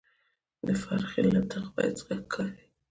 د فرخي له دغه بیت څخه ښکاري،